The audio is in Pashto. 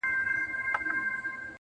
هسي نه چي لیري ولاړ سو په مزلونو!